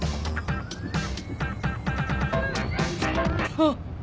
あっ！